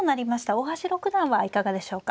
大橋六段はいかがでしょうか。